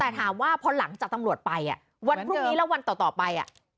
แต่ถามว่าพอหลังจากตำรวจไปวันพรุ่งนี้แล้ววันต่อไป